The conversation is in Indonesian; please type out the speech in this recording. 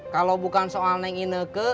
kalau bukan soal nengi neke